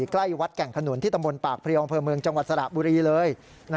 ใกล้วัดแก่งขนุนที่ตำบลปากเพลียวอำเภอเมืองจังหวัดสระบุรีเลย